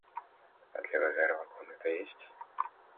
А для Базарова комната есть?